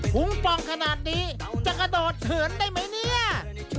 ป่องขนาดนี้จะกระโดดเถื่อนได้ไหมเนี่ย